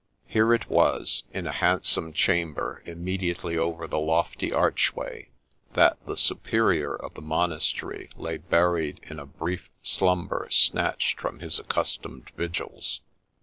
Here it was, in a handsome chamber, immediately over the lofty archway, that the Superior of the monastery lay buried in a brief slumber snatched from his accustomed vigils.